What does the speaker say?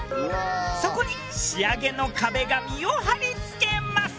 そこに仕上げの壁紙を貼り付けます。